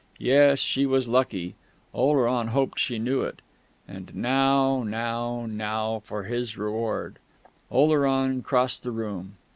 Yes, she was lucky; Oleron hoped she knew it.... And now, now, now for his reward! Oleron crossed the room.